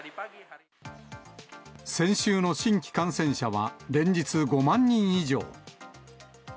先週の新規感染者は、連日５万人以上。